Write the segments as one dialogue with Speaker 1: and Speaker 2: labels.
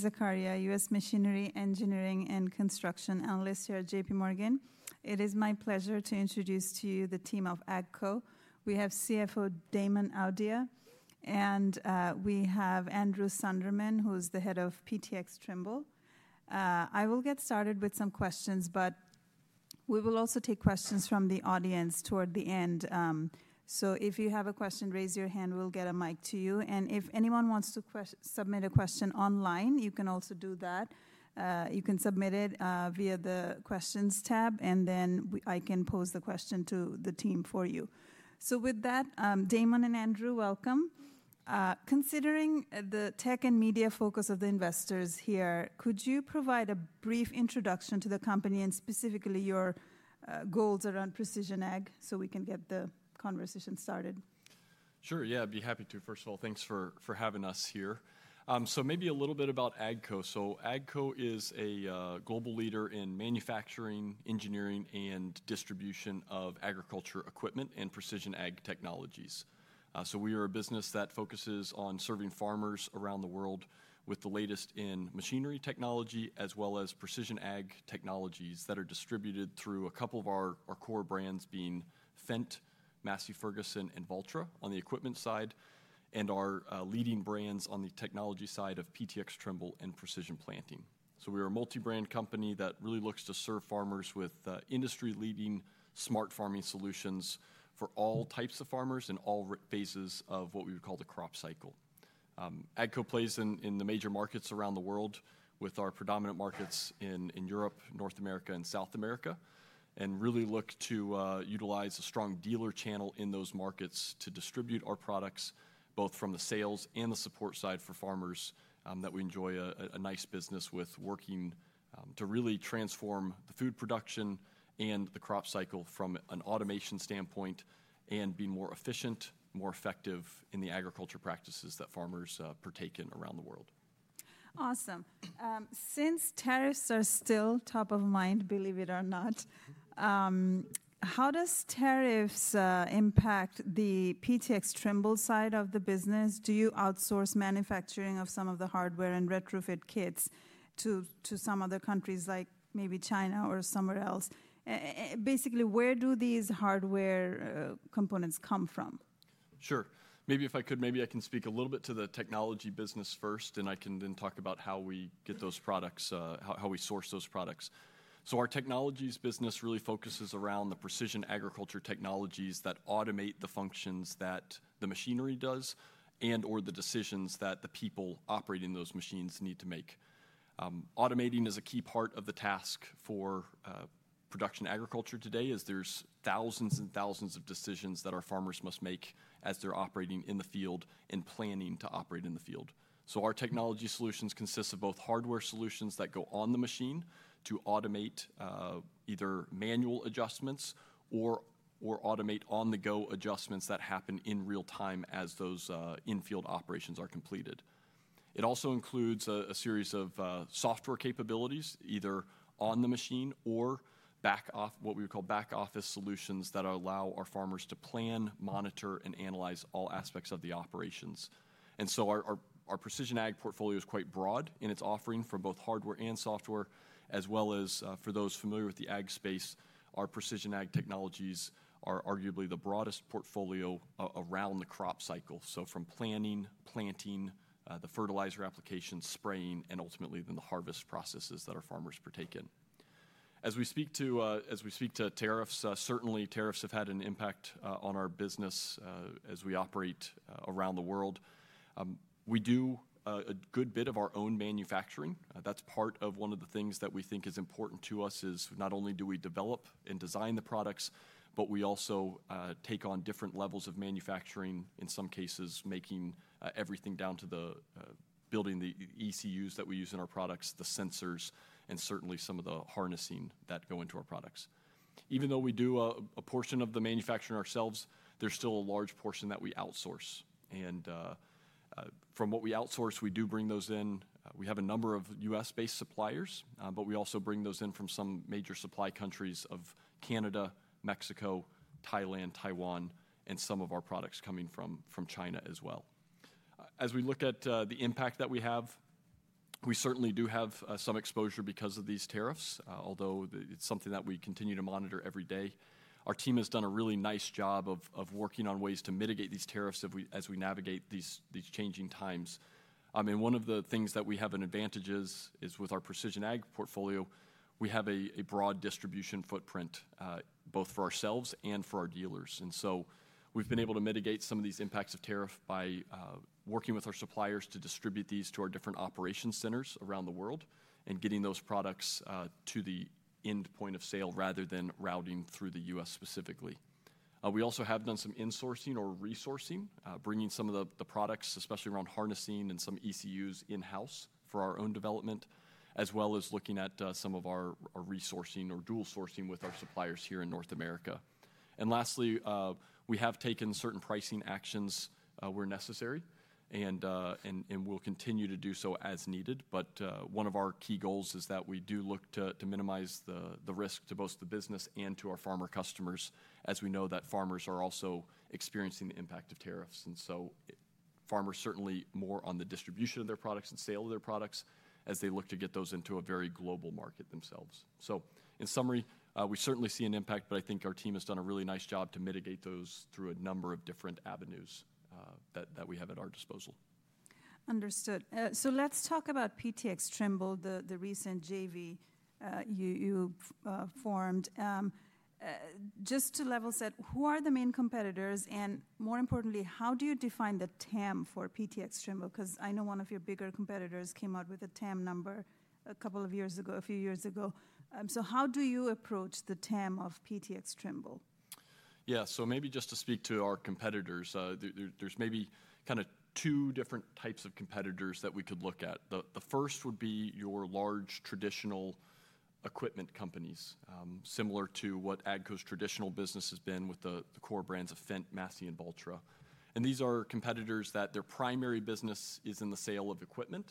Speaker 1: Zakaria, U.S. Machinery Engineering and Construction Analyst here at JPMorgan. It is my pleasure to introduce to you the team of AGCO. We have CFO Damon Audia, and we have Andrew Sunderman, who is the head of PTX Trimble. I will get started with some questions, but we will also take questions from the audience toward the end. If you have a question, raise your hand. We’ll get a mic to you. If anyone wants to submit a question online, you can also do that. You can submit it via the Questions tab, and then I can pose the question to the team for you. With that, Damon and Andrew, welcome. Considering the tech and media focus of the investors here, could you provide a brief introduction to the company and specifically your goals around precision ag so we can get the conversation started?
Speaker 2: Sure, yeah, I’d be happy to. First of all, thanks for having us here. Maybe a little bit about AGCO. AGCO is a global leader in manufacturing, engineering, and distribution of agriculture equipment and precision ag technologies. We are a business that focuses on serving farmers around the world with the latest in machinery technology as well as precision ag technologies that are distributed through a couple of our core brands, being Fendt, Massey Ferguson, and Valtra on the equipment side, and our leading brands on the technology side of PTX Trimble and Precision Planting. We are a multi-brand company that really looks to serve farmers with industry-leading smart farming solutions for all types of farmers in all phases of what we would call the crop cycle. AGCO plays in the major markets around the world, with our predominant markets in Europe, North America, and South America, and really look to utilize a strong dealer channel in those markets to distribute our products both from the sales and the support side for farmers that we enjoy a nice business with, working to really transform the food production and the crop cycle from an automation standpoint and be more efficient, more effective in the agriculture practices that farmers partake in around the world.
Speaker 1: Awesome. Since tariffs are still top of mind, believe it or not, how do tariffs impact the PTx Trimble side of the business? Do you outsource manufacturing of some of the hardware and retrofit kits to some other countries, like maybe China or somewhere else? Basically, where do these hardware components come from?
Speaker 2: Sure. Maybe if I could, maybe I can speak a little bit to the technology business first, and I can then talk about how we get those products, how we source those products. Our technologies business really focuses around the precision agriculture technologies that automate the functions that the machinery does and/or the decisions that the people operating those machines need to make. Automating is a key part of the task for production agriculture today, as there are thousands and thousands of decisions that our farmers must make as they’re operating in the field and planning to operate in the field. Our technology solutions consist of both hardware solutions that go on the machine to automate either manual adjustments or automate on-the-go adjustments that happen in real time as those in-field operations are completed. It also includes a series of software capabilities, either on the machine or what we would call back-office solutions that allow our farmers to plan, monitor, and analyze all aspects of their operations. Our precision-ag portfolio is quite broad in its offering for both hardware and software, and for those familiar with the ag space, our precision-ag technologies are arguably the broadest portfolio around the crop cycle. From planning, planting, fertilizer application, spraying, and ultimately the harvest processes that our farmers partake in. As we speak to tariffs, certainly tariffs have had an impact on our business as we operate around the world. We do a good bit of our own manufacturing. That’s part of one of the things that we think is important to us — not only do we develop and design the products, but we also take on different levels of manufacturing, in some cases making everything down to building the ECUs that we use in our products, the sensors, and certainly some of the harnessing that goes into our products. Even though we do a portion of the manufacturing ourselves, there’s still a large portion that we outsource. From what we outsource, we do bring those in. We have a number of U.S.-based suppliers, but we also bring those in from some major supply countries such as Canada, Mexico, Thailand, Taiwan, and some of our products coming from China as well As we look at the impact that we have, we certainly do have some exposure because of these tariffs, although it’s something that we continue to monitor every day. Our team has done a really nice job of working on ways to mitigate these tariffs as we navigate these changing times. I mean, one of the things that we have an advantage is with our precision ag portfolio, we have a broad distribution footprint both for ourselves and for our dealers. We have been able to mitigate some of these impacts of the tariff by working with our suppliers to distribute these to our different operation centers around the world and getting those products to the end point of sale rather than routing through the U.S. specifically. We also have done some insourcing or resourcing, bringing some of the products, especially around harnessing and some ECUs in-house for our own development, as well as looking at some of our resourcing or dual sourcing with our suppliers here in North America. Lastly, we have taken certain pricing actions where necessary and will continue to do so as needed. One of our key goals is that we do look to minimize the risk to both the business and to our farmer customers, as we know that farmers are also experiencing the impact of tariffs. Farmers certainly more on the distribution of their products and sale of their products as they look to get those into a very global market themselves. In summary, we certainly see an impact, but I think our team has done a really nice job to mitigate those through a number of different avenues that we have at our disposal.
Speaker 1: Understood. Let’s talk about PTX Trimble, the recent JV you formed. Just to level set, who are the main competitors? More importantly, how do you define the TAM for PTX Trimble? I know one of your bigger competitors came out with a TAM number a couple of years ago, a few years ago. How do you approach the TAM of PTX Trimble?
Speaker 2: Yeah, so maybe just to speak to our competitors, there’s maybe kind of two different types of competitors that we could look at. The first would be your large traditional equipment companies, similar to what AGCO’s traditional business has been with the core brands of Fendt, Massey, and Valtra. These are competitors that their primary business is in the sale of equipment.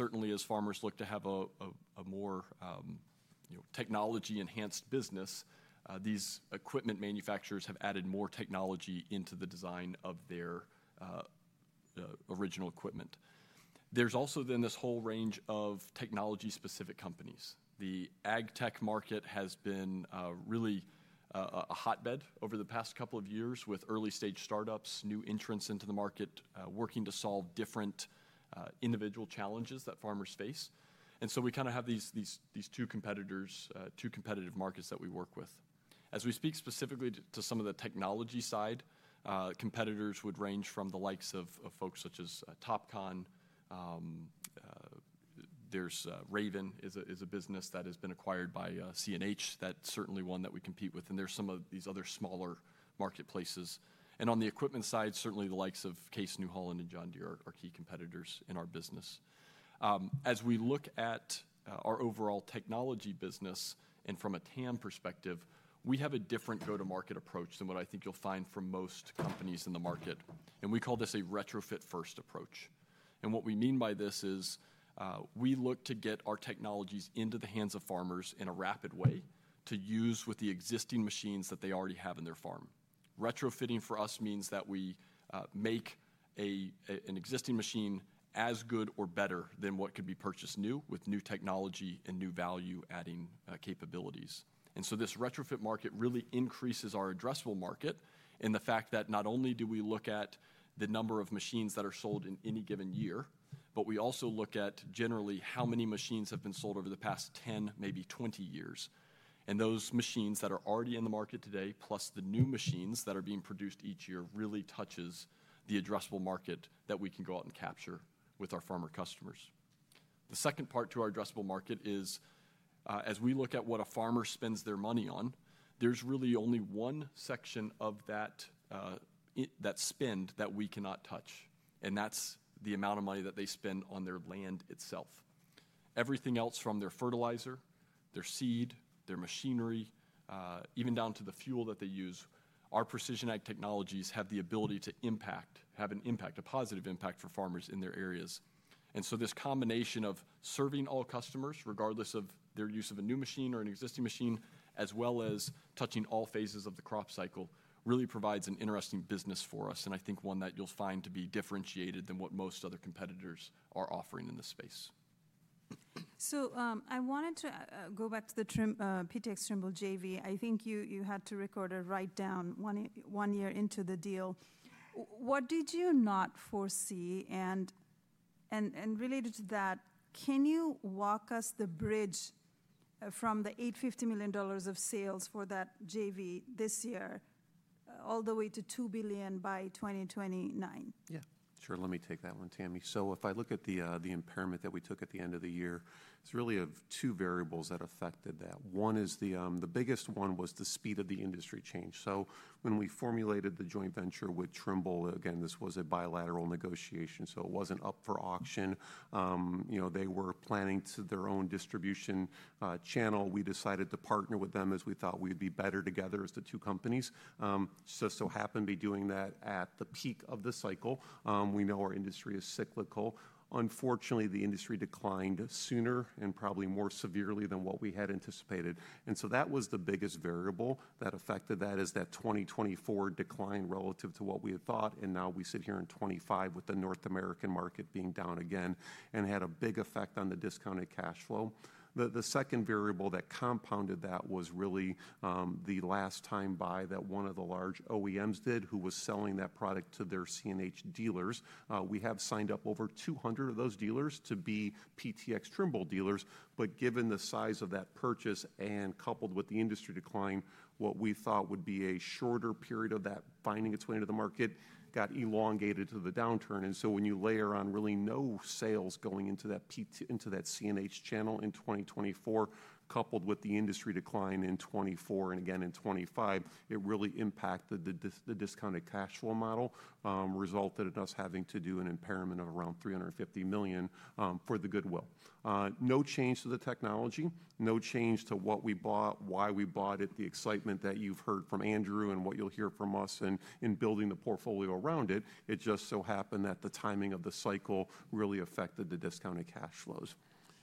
Speaker 2: Certainly, as farmers look to have a more technology-enhanced business, these equipment manufacturers have added more technology into the design of their original equipment. There’s also then this whole range of technology-specific companies. The ag tech market has been really a hotbed over the past couple of years with early-stage startups, new entrants into the market working to solve different individual challenges that farmers face. We kind of have these two competitors, two competitive markets that we work with. As we speak specifically to some of the technology side, competitors would range from the likes of folks such as Topcon. There’s Raven, a business that has been acquired by CNH. That’s certainly one that we compete with. And there are some of these other smaller marketplaces. On the equipment side, certainly the likes of Case New Holland and John Deere are key competitors in our business. As we look at our overall technology business and from a TAM perspective, we have a different go-to-market approach than what I think you’ll find from most companies in the market. We call this a retrofit-first approach. What we mean by this is we look to get our technologies into the hands of farmers in a rapid way, to use with the existing machines that they already have in their farm. Retrofitting for us means that we make an existing machine as good or better than what could be purchased new with new technology and new value-adding capabilities. This retrofit market really increases our addressable market in the fact that not only do we look at the number of machines that are sold in any given year, but we also look at generally how many machines have been sold over the past 10, maybe 20 years. Those machines that are already in the market today, plus the new machines that are being produced each year, really touch the addressable market that we can go out and capture with our customers. The second part to our addressable market is as we look at what a farmer spends their money on, there is really only one section of that spend that we cannot touch. That is the amount of money that they spend on their land itself. Everything else — from their fertilizer, their seed, their machinery, even the fuel that they use — our precision ag technologies have the ability to impact and have a positive impact for farmers in their areas. This combination of serving all customers, regardless of whether they use a new machine or an existing machine, as well as touching all phases of the crop cycle, really provides an interesting business for us. I think you’ll find that to be differentiated from what most other competitors are offering in this space.
Speaker 1: I wanted to go back to the PTx Trimble JV. I think you had to record a write-down one year into the deal. What did you not foresee? Related to that, can you walk us through the bridge from the $850 million of sales for that JV this year all the way to $2 billion by 2029?
Speaker 2: Yeah, sure. Let me take that one, Tammy. If I look at the impairment that we took at the end of the year, it’s really two variables that affected that. One is the biggest one: the speed of the industry change. When we formulated the joint venture with Trimble — again, this was a bilateral negotiation. It was not up for auction. They were planning to run their own distribution channel. We decided to partner with them as we thought we would be better together as the two companies. It just happened to be done right at the peak of the cycle. We know our industry is cyclical. Unfortunately, the industry declined sooner and probably more severely than what we had anticipated. That was the biggest variable that affected that — that 2024 decline relative to what we had thought. Now we sit here in 2025 with the North American market being down again and had a big effect on the discounted cash flow. The second variable that compounded that was really the last-time buy that one of the large OEMs did, who was selling that product to their CNH dealers. We have signed up over 200 of those dealers to be PTx Trimble dealers. Given the size of that purchase and coupled with the industry decline, what we thought would be a shorter period of that finding its way into the market got elongated to the downturn. When you layer on really no sales going into that CNH channel in 2024, coupled with the industry decline in 2024 and again in 2025, it really impacted the discounted cash-flow model, resulted in us having to do an impairment of around $350 million for the goodwill. No change to the technology, no change to what we bought, why we bought it, the excitement that you have heard from Andrew and what you will hear from us in building the portfolio around it. It just so happened that the timing of the cycle really affected the discounted cash flows.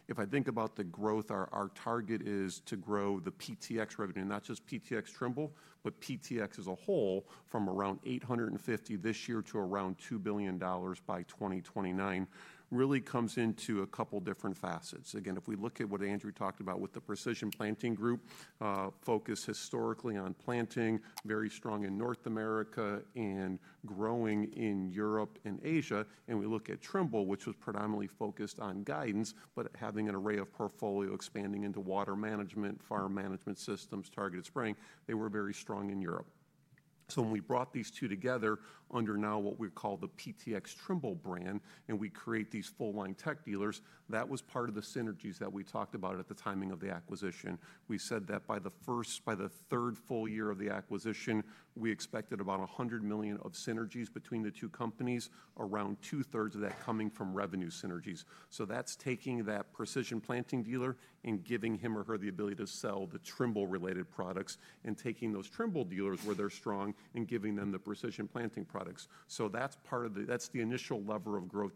Speaker 2: If I think about the growth, our target is to grow the PTx revenue, not just PTx Trimble, but PTx as a whole from around $850 million this year to around $2 billion by 2029 really comes into a couple different facets. Again, if we look at what Andrew talked about with the Precision Planting group, focused historically on planting, very strong in North America and growing in Europe and Asia. If we look at Trimble, which was predominantly focused on guidance, but having an array of portfolio expanding into water management, farm management systems, targeted spraying, they were also strong in Europe. When we brought these two together under now what we call the PTx Trimble brand and we create these full-line tech dealers, that was part of the synergies that we talked about at the time of the acquisition. We said that by the third full year of the acquisition, we expected about $100 million of synergies between the two companies, around two-thirds of that coming from revenue synergies. That’s taking that Precision Planting dealer and giving him or her the ability to sell the Trimble-related products, and taking those Trimble dealers where they’re strong and giving them the Precision Planting products. That’s the initial lever of growth —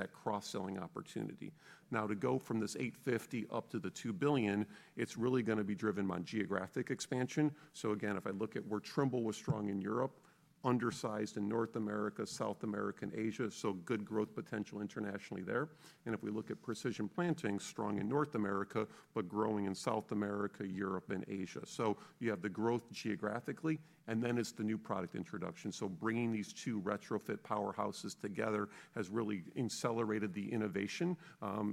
Speaker 2: that cross-selling opportunity. Now, to go from this $850 million up to the $2 billion, it’s really going to be driven by geographic expansion. Again, if I look at where Trimble was strong — in Europe, undersized in North America, South America, and Asia — so good growth potential internationally there. If we look at Precision Planting, strong in North America but growing in South America, Europe, and Asia. You have the growth geographically, and then it’s the new product introduction. Bringing these two retrofit powerhouses together has really accelerated the innovation.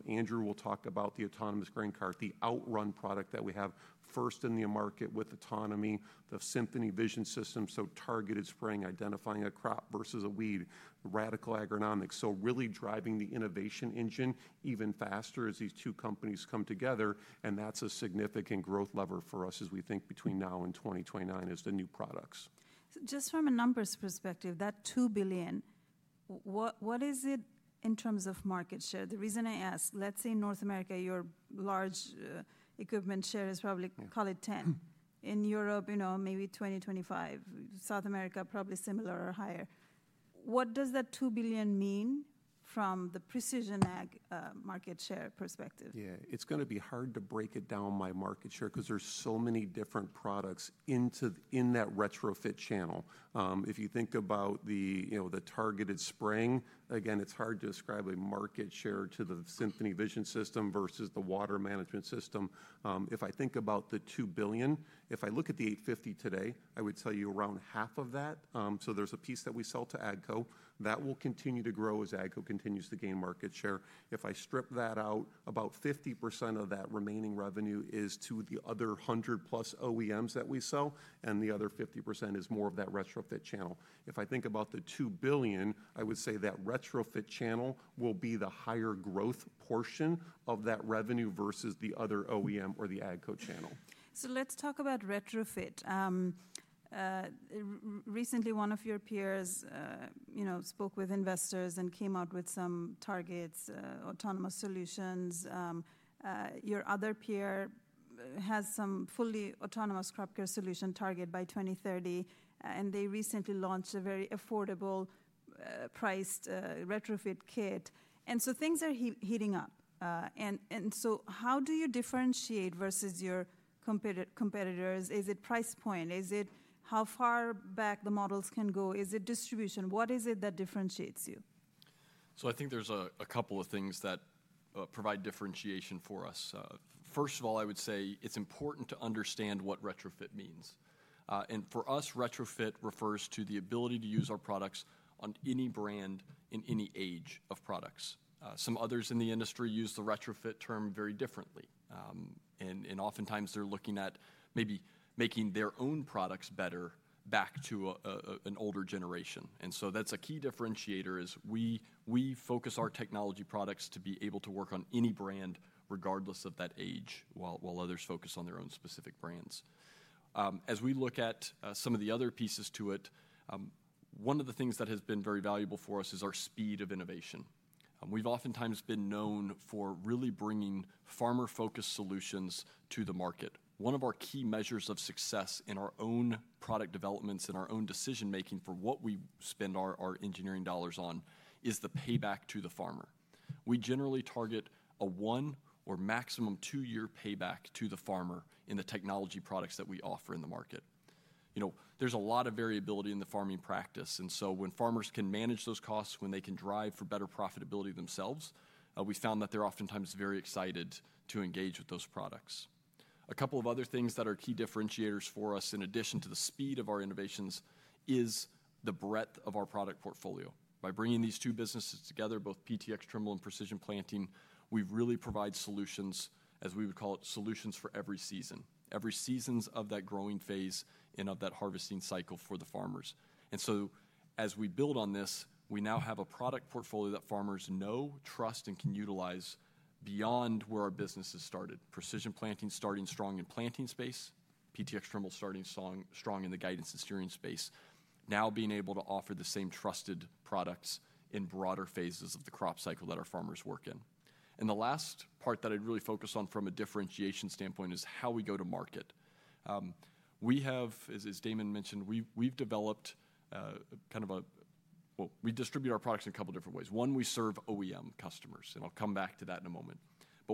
Speaker 2: Andrew will talk about the autonomous grain cart, the Outrun product that we have first in the market with autonomy; the Symphony Vision system for targeted spraying, identifying a crop versus a weed; Radicle Agronomics. So really driving the innovation engine even faster as these two companies come together. And that’s a significant growth lever for us as we think between now and 2029 — the new products.
Speaker 1: Just from a numbers perspective, that $2 billion — what is it in terms of market share? The reason I ask, let’s say North America, your large equipment share is probably call it 10%. In Europe, maybe 20%–25%. South America, probably similar or higher. What does that $2 billion mean from the precision ag market share perspective?
Speaker 2: Yeah, it's going to be hard to break it down by market share because there's so many different products in that retrofit channel. If you think about the targeted spraying, again, it's hard to describe a market share to the Symphony vision system versus the water management system. If I think about the $2 billion, if I look at the $850 million today, I would tell you around half of that. So there's a piece that we sell to AGCO. That will continue to grow as AGCO continues to gain market share. If I strip that out, about 50% of that remaining revenue is to the other 100 plus OEMs that we sell, and the other 50% is more of that retrofit channel. If I think about the $2 billion, I would say that retrofit channel will be the higher-growth portion of that revenue versus the other OEM or the AGCO channel.
Speaker 1: Let's talk about retrofit. Recently, one of your peers spoke with investors and came out with some targets, autonomous solutions. Your other peer has some fully autonomous crop care solution target by 2030. They recently launched a very affordable priced retrofit kit. Things are heating up. How do you differentiate versus your competitors? Is it price point? Is it how far back the models can go? Is it distribution? What is it that differentiates you?
Speaker 2: I think there’s a couple of things that provide differentiation for us. First of all, I would say it’s important to understand what retrofit means. For us, retrofit refers to the ability to use our products on any brand in any age of products. Some others in the industry use the retrofit term very differently. Oftentimes, they’re looking at maybe making their own products better back to an older generation. That’s a key differentiator. We focus our technology products to be able to work on any brand regardless of that age, while others focus on their own specific brands. As we look at some of the other pieces to it, one of the things that has been very valuable for us is our speed of innovation. We’ve oftentimes been known for really bringing farmer-focused solutions to the market. One of our key measures of success in our own product developments, in our own decision-making for what we spend our engineering dollars on, is the payback to the farmer. We generally target a one or maximum two-year payback to the farmer in the technology products that we offer in the market. There’s a lot of variability in the farming practice. When farmers can manage those costs, when they can drive for better profitability themselves, we found that they’re oftentimes very excited to engage with those products. A couple of other things that are key differentiators for us in addition to the speed of our innovations is the breadth of our product portfolio. By bringing these two businesses together, both PTx Trimble and Precision Planting, we really provide solutions—solutions for every season, every stage of the growing phase, and every part of the harvesting cycle for the farmers. As we build on this, we now have a product portfolio that farmers know, trust, and can utilize beyond where our business has started. Precision Planting started strong in the planting space, PTx Trimble started strong in the guidance and steering space, and now we’re able to offer the same trusted products in broader phases of the crop cycle that our farmers work in. The last part that I’d really focus on from a differentiation standpoint is how we go to market. We have, as Damon mentioned, developed… kind of a—well, we distribute our products in a couple different ways. One, we serve OEM customers. I’ll come back to that in a moment.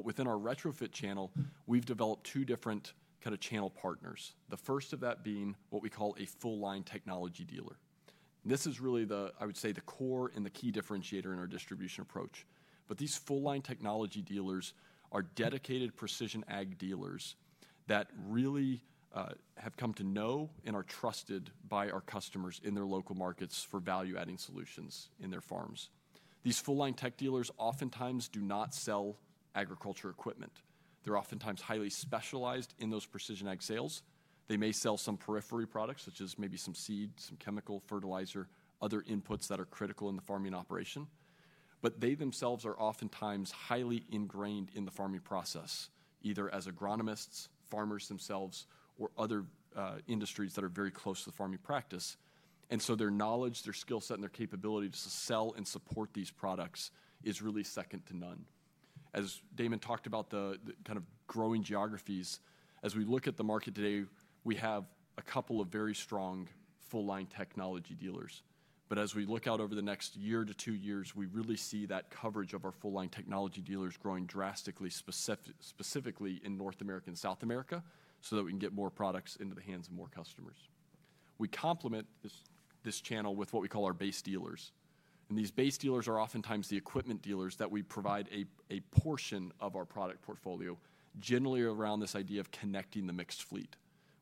Speaker 2: Within our retrofit channel, we’ve developed two different kinds of channel partners, the first of that being what we call a full-line technology dealer. This is really, I would say, the core and the key differentiator in our distribution approach. These full-line technology dealers are dedicated precision-ag dealers that our customers have come to know and trust in their local markets for value-adding solutions in their farms. These full-line tech dealers oftentimes do not sell agriculture equipment. They’re oftentimes highly specialized in those precision-ag sales. They may sell some periphery products, such as maybe some seed, some chemical, fertilizer, or other inputs that are critical in the farming operation. They themselves are oftentimes highly ingrained in the farming process, either as agronomists, farmers themselves, or other industries that are very close to the farming practice. Their knowledge, their skill set, and their capability to sell and support these products is really second to none. As Damon talked about the kind of growing geographies, as we look at the market today, we have a couple of very strong full-line technology dealers. As we look out over the next year to two years, we really see that coverage of our full-line technology dealers growing drastically, specifically in North America and South America, so that we can get more products into the hands of more customers. We complement this channel with what we call our base dealers. These base dealers are oftentimes the equipment dealers that we provide a portion of our product portfolio, generally around this idea of connecting the mixed fleet.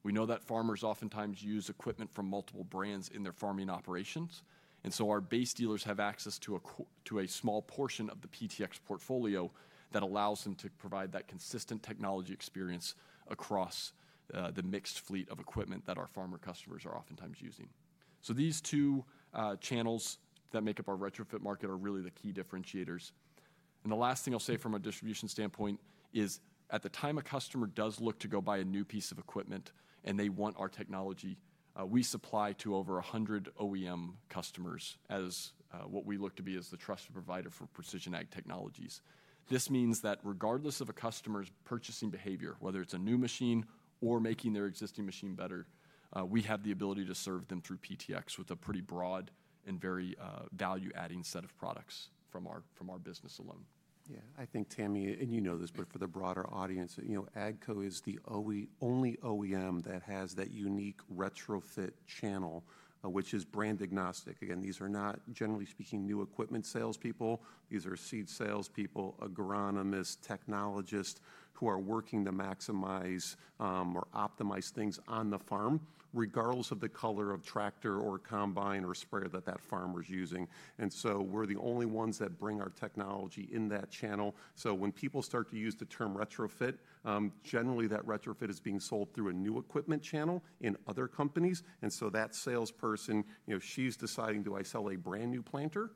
Speaker 2: We know that farmers oftentimes use equipment from multiple brands in their farming operations. Our base dealers have access to a small portion of the PTX portfolio that allows them to provide that consistent technology experience across the mixed fleet of equipment that our farmer customers are oftentimes using. These two channels that make up our retrofit market are really the key differentiators. The last thing I'll say from a distribution standpoint is at the time a customer does look to go buy a new piece of equipment and they want our technology, we supply to over 100 OEM customers as what we look to be as the trusted provider for precision ag technologies. This means that regardless of a customer's purchasing behavior, whether it's a new machine or making their existing machine better, we have the ability to serve them through PTX with a pretty broad and very value-adding set of products from our business alone.
Speaker 3: Yeah, I think, Tammy, and you know this, but for the broader audience, AGCO is the only OEM that has that unique retrofit channel, which is brand agnostic. Again, these are not, generally speaking, new equipment salespeople. These are seed salespeople, agronomists, technologists who are working to maximize or optimize things on the farm, regardless of the color of tractor or combine or sprayer that that farmer's using. We are the only ones that bring our technology in that channel. When people start to use the term retrofit, generally that retrofit is being sold through a new equipment channel in other companies. That salesperson, she's deciding, do I sell a brand new planter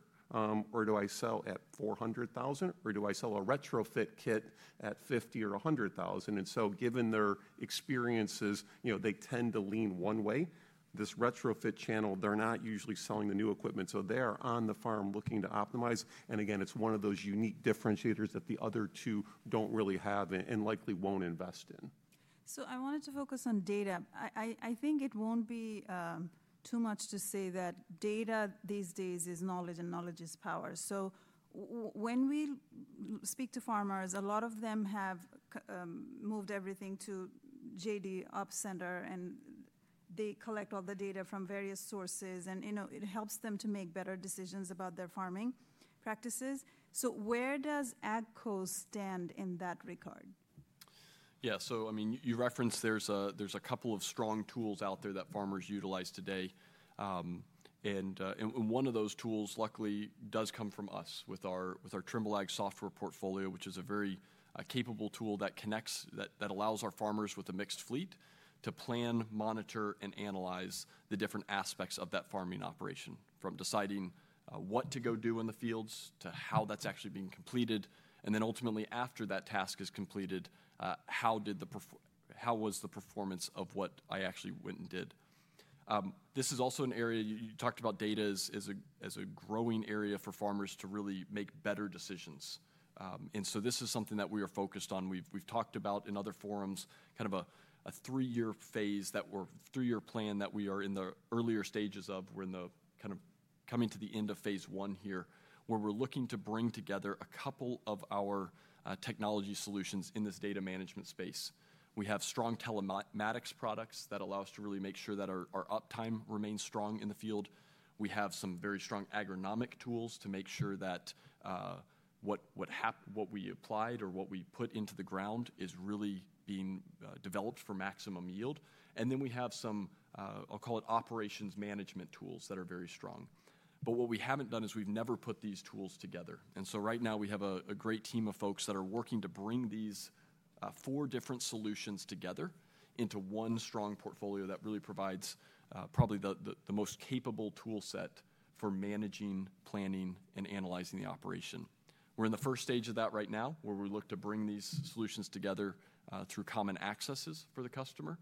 Speaker 3: or do I sell at $400,000 or do I sell a retrofit kit at $50,000 or $100,000? Given their experiences, they tend to lean one way. This retrofit channel, they're not usually selling the new equipment. They're on the farm looking to optimize. Again, it's one of those unique differentiators that the other two don't really have and likely won't invest in.
Speaker 1: I wanted to focus on data. I think it won't be too much to say that data these days is knowledge and knowledge is power. When we speak to farmers, a lot of them have moved everything to JD OpsCenter, and they collect all the data from various sources, and it helps them to make better decisions about their farming practices. Where does AGCO stand in that regard?
Speaker 2: Yeah, so I mean, you referenced there's a couple of strong tools out there that farmers utilize today. One of those tools, luckily, does come from us with our Trimble Ag software portfolio, which is a very capable tool that allows our farmers with a mixed fleet to plan, monitor, and analyze the different aspects of that farming operation, from deciding what to go do in the fields to how that's actually being completed. Ultimately, after that task is completed, how was the performance of what I actually went and did? This is also an area you talked about, data as a growing area for farmers to really make better decisions. This is something that we are focused on. We've talked about in other forums kind of a three-year phase that we're three-year plan that we are in the earlier stages of. We're kind of coming to the end of phase one here, where we're looking to bring together a couple of our technology solutions in this data management space. We have strong telematics products that allow us to really make sure that our uptime remains strong in the field. We have some very strong agronomic tools to make sure that what we applied or what we put into the ground is really being developed for maximum yield. We have some, I'll call it, operations management tools that are very strong. What we haven't done is we've never put these tools together. Right now, we have a great team of folks that are working to bring these four different solutions together into one strong portfolio that really provides probably the most capable toolset for managing, planning, and analyzing the operation. We're in the first stage of that right now, where we look to bring these solutions together through common accesses for the customer.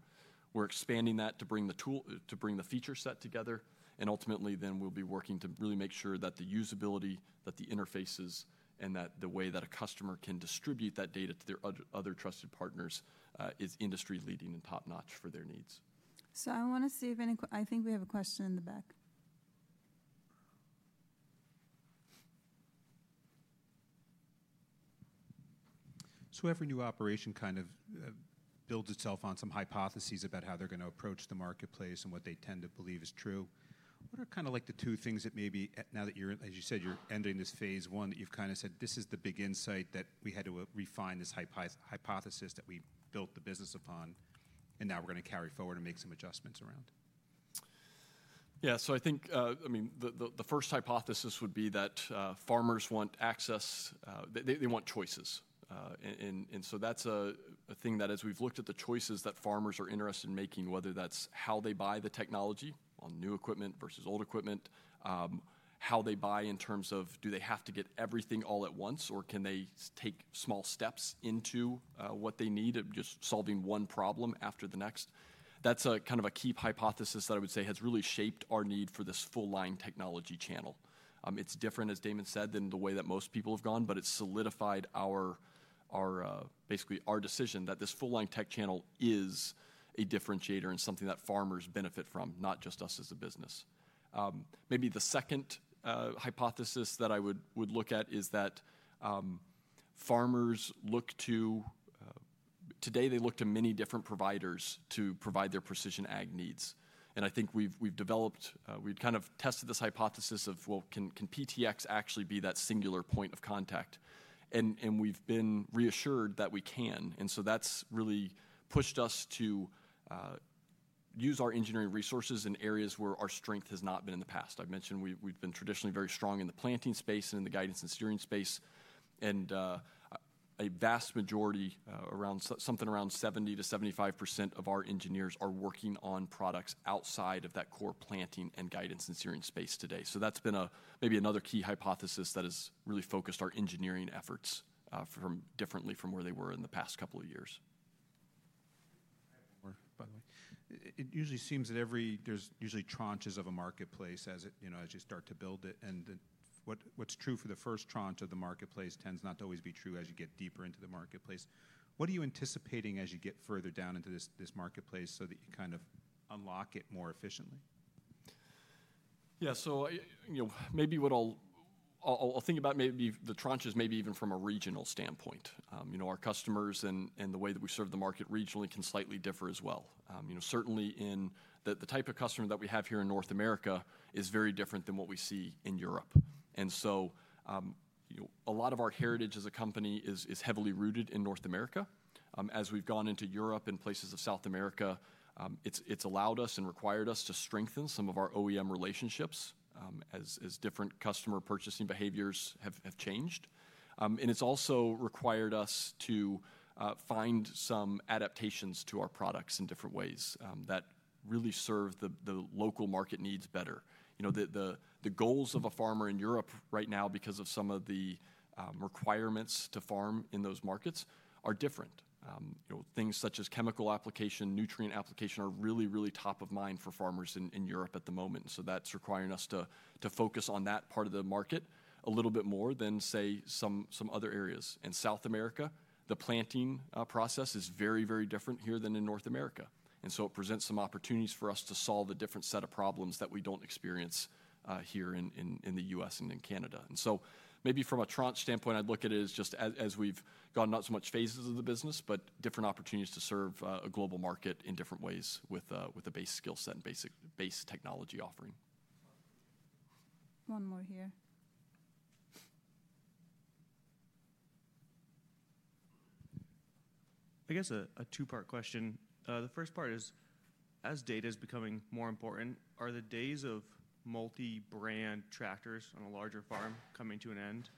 Speaker 2: We're expanding that to bring the feature set together. Ultimately, then we'll be working to really make sure that the usability, that the interfaces, and that the way that a customer can distribute that data to their other trusted partners is industry-leading and top-notch for their needs.
Speaker 1: I want to see if any, I think we have a question in the back.
Speaker 3: Every new operation kind of builds itself on some hypotheses about how they're going to approach the marketplace and what they tend to believe is true. What are kind of like the two things that maybe, now that you're, as you said, you're ending this phase one that you've kind of said, this is the big insight that we had to refine this hypothesis that we built the business upon, and now we're going to carry forward and make some adjustments around?
Speaker 2: Yeah, so I think, I mean, the first hypothesis would be that farmers want access, they want choices. That's a thing that, as we've looked at the choices that farmers are interested in making, whether that's how they buy the technology on new equipment versus old equipment, how they buy in terms of do they have to get everything all at once, or can they take small steps into what they need and just solving one problem after the next. That's kind of a key hypothesis that I would say has really shaped our need for this full-line technology channel. It's different, as Damon said, than the way that most people have gone, but it's solidified basically our decision that this full-line tech channel is a differentiator and something that farmers benefit from, not just us as a business. Maybe the second hypothesis that I would look at is that farmers look to, today, they look to many different providers to provide their precision ag needs. I think we've developed, we've kind of tested this hypothesis of, well, can PTX actually be that singular point of contact? We've been reassured that we can. That has really pushed us to use our engineering resources in areas where our strength has not been in the past. I've mentioned we've been traditionally very strong in the planting space and in the guidance and steering space. A vast majority, around something around 70%-75% of our engineers are working on products outside of that core planting and guidance and steering space today. That has been maybe another key hypothesis that has really focused our engineering efforts differently from where they were in the past couple of years.
Speaker 3: By the way, it usually seems that there's usually tranches of a marketplace as you start to build it. What's true for the first tranche of the marketplace tends not to always be true as you get deeper into the marketplace. What are you anticipating as you get further down into this marketplace so that you kind of unlock it more efficiently?
Speaker 2: Yeah, so maybe what I’ll think about maybe the tranches maybe even from a regional standpoint. Our customers and the way that we serve the market regionally can slightly differ as well. Certainly, the type of customer that we have here in North America is very different than what we see in Europe. A lot of our heritage as a company is heavily rooted in North America. As we’ve gone into Europe and places of South America, it’s allowed us and required us to strengthen some of our OEM relationships as different customer purchasing behaviors have changed. It’s also required us to find some adaptations to our products in different ways that really serve the local market needs better. The goals of a farmer in Europe right now, because of some of the requirements to farm in those markets, are different. Things such as chemical application, nutrient application are really, really top of mind for farmers in Europe at the moment. That is requiring us to focus on that part of the market a little bit more than, say, some other areas. In South America, the planting process is very, very different here than in North America. It presents some opportunities for us to solve a different set of problems that we do not experience here in the U.S. and in Canada. Maybe from a tranche standpoint, I would look at it as just as we have gone not so much phases of the business, but different opportunities to serve a global market in different ways with a base skill set and base technology offering.
Speaker 1: One more here.
Speaker 3: I guess a two-part question. The first part is, as data is becoming more important, are the days of multi-brand tractors on a larger farm coming to an end?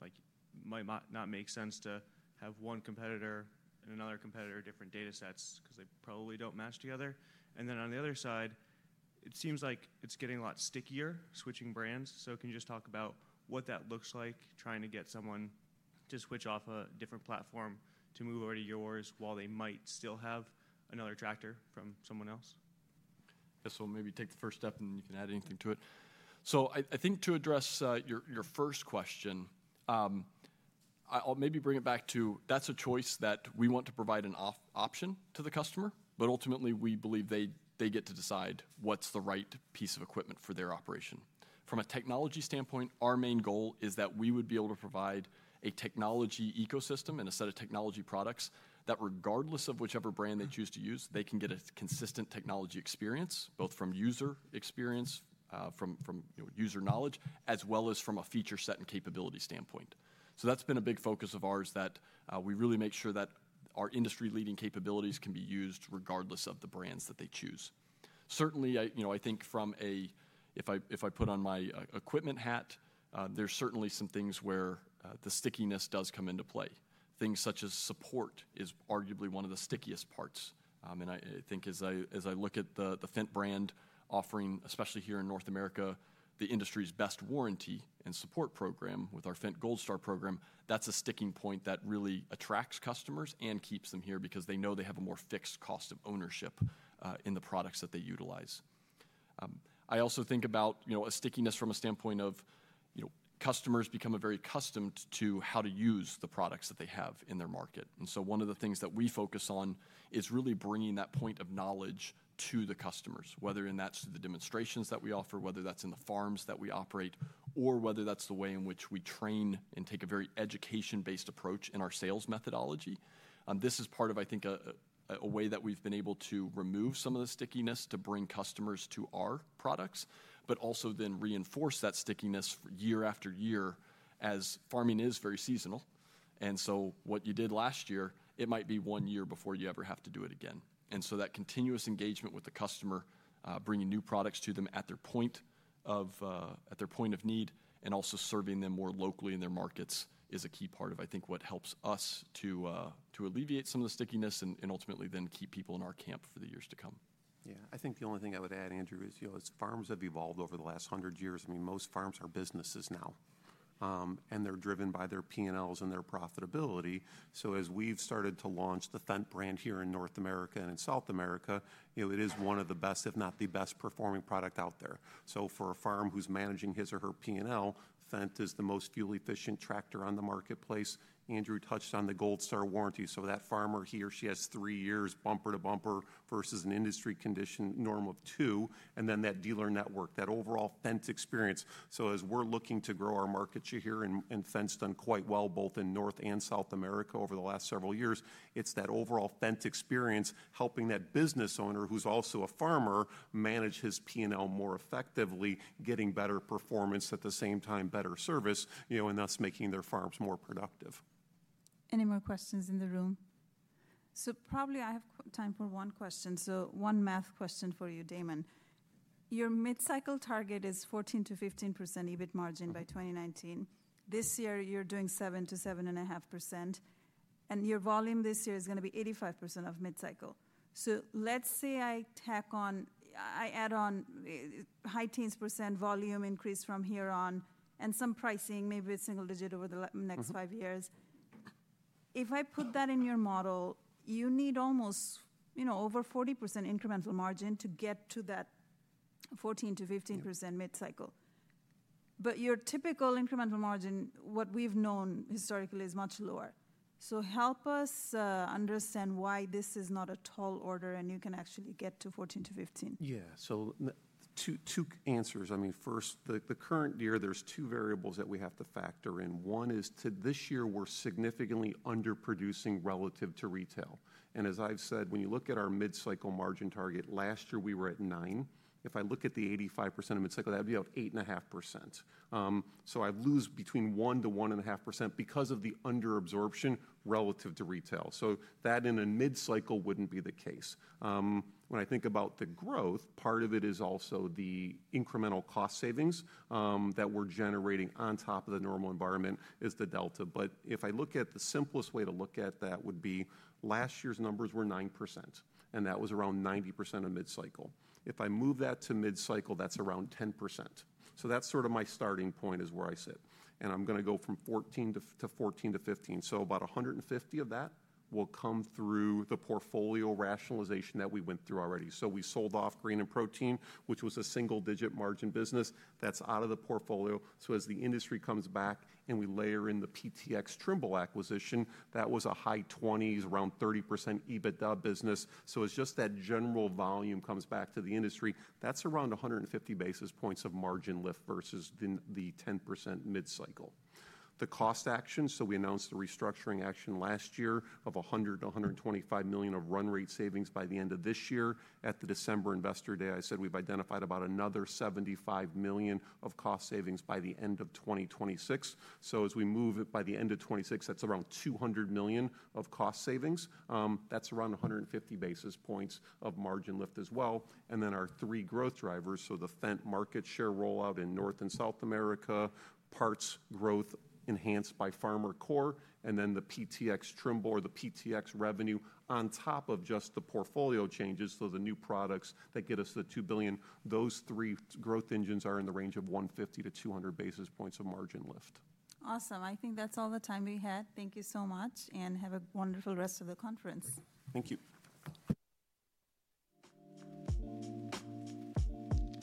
Speaker 3: Like, it might not make sense to have one competitor and another competitor, different data sets because they probably do not match together. On the other side, it seems like it is getting a lot stickier switching brands. Can you just talk about what that looks like, trying to get someone to switch off a different platform to move over to yours while they might still have another tractor from someone else?
Speaker 2: Yeah, so maybe take the first step, and then you can add anything to it. I think to address your first question, I'll maybe bring it back to that's a choice that we want to provide an option to the customer, but ultimately, we believe they get to decide what's the right piece of equipment for their operation. From a technology standpoint, our main goal is that we would be able to provide a technology ecosystem and a set of technology products that, regardless of whichever brand they choose to use, they can get a consistent technology experience, both from user experience, from user knowledge, as well as from a feature set and capability standpoint. That's been a big focus of ours, that we really make sure that our industry-leading capabilities can be used regardless of the brands that they choose. Certainly, I think from a, if I put on my equipment hat, there's certainly some things where the stickiness does come into play. Things such as support is arguably one of the stickiest parts. I think as I look at the Fendt brand offering, especially here in North America, the industry's best warranty and support program with our Fendt Gold Star program, that's a sticking point that really attracts customers and keeps them here because they know they have a more fixed cost of ownership in the products that they utilize. I also think about a stickiness from a standpoint of customers become very accustomed to how to use the products that they have in their market. One of the things that we focus on is really bringing that point of knowledge to the customers, whether that’s through the demonstrations that we offer, whether that’s in the farms that we operate, or whether that’s the way in which we train and take a very education-based approach in our sales methodology. This is part of, I think, a way that we’ve been able to remove some of the stickiness to bring customers to our products, but also then reinforce that stickiness year after year as farming is very seasonal. What you did last year, it might be one year before you ever have to do it again. That continuous engagement with the customer, bringing new products to them at their point of need and also serving them more locally in their markets is a key part of, I think, what helps us to alleviate some of the stickiness and ultimately then keep people in our camp for the years to come.
Speaker 3: Yeah, I think the only thing I would add, Andrew, is farms have evolved over the last 100 years. I mean, most farms are businesses now, and they're driven by their P&Ls and their profitability. As we've started to launch the Fendt brand here in North America and in South America, it is one of the best, if not the best-performing product out there. For a farm who's managing his or her P&L, Fendt is the most fuel-efficient tractor on the marketplace. Andrew touched on the Fendt Gold Star warranty. That farmer, he or she has three years, bumper to bumper versus an industry condition norm of two, and then that dealer network, that overall Fendt experience. As we're looking to grow our market share here, and Fendt's done quite well both in North and South America over the last several years, it's that overall Fendt experience helping that business owner who's also a farmer manage his P&L more effectively, getting better performance at the same time, better service, and thus making their farms more productive.
Speaker 1: Any more questions in the room? I probably have time for one question. One math question for you, Damon. Your mid-cycle target is 14%-15% EBIT margin by 2019. This year, you're doing 7%-7.5%. Your volume this year is going to be 85% of mid-cycle. Let's say I tack on, I add on high teens % volume increase from here on, and some pricing, maybe a single digit over the next five years. If I put that in your model, you need almost over 40% incremental margin to get to that 14%-15% mid-cycle. Your typical incremental margin, what we've known historically, is much lower. Help us understand why this is not a tall order and you can actually get to 14%-15%.
Speaker 2: Yeah, so two answers. I mean, first, the current year, there's two variables that we have to factor in. One is to this year, we're significantly underproducing relative to retail. And as I've said, when you look at our mid-cycle margin target, last year we were at 9%. If I look at the 85% of mid-cycle, that'd be about 8.5%. So I lose between 1% to 1.5% because of the Underabsorption relative to retail. That in a mid-cycle wouldn't be the case. When I think about the growth, part of it is also the incremental cost savings that we're generating on top of the normal environment is the delta. If I look at the simplest way to look at that would be last year's numbers were 9%, and that was around 90% of mid-cycle. If I move that to mid-cycle, that's around 10%. That's sort of my starting point is where I sit. I'm going to go from 14% to 15%. About 150% of that will come through the portfolio rationalization that we went through already. We sold off green and protein, which was a single-digit margin business. That's out of the portfolio. As the industry comes back and we layer in the PTX Trimble acquisition, that was a high 20%, around 30% EBITDA business. As just that general volume comes back to the industry, that's around 150 basis points of margin lift versus the 10% mid-cycle. The cost action, we announced the restructuring action last year of $100 million-$125 million of run rate savings by the end of this year. At the December Investor Day, I said we've identified about another $75 million of cost savings by the end of 2026. As we move it by the end of 2026, that's around $200 million of cost savings. That's around 150 basis points of margin lift as well. Then our three growth drivers, so the Fendt market share rollout in North America and South America, parts growth enhanced by FarmerCore, and then the PTX Trimble or the PTX revenue on top of just the portfolio changes, so the new products that get us to $2 billion, those three growth engines are in the range of 150-200 basis points of margin lift.
Speaker 1: Awesome. I think that's all the time we had. Thank you so much, and have a wonderful rest of the conference.
Speaker 2: Thank you.